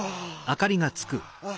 ああ。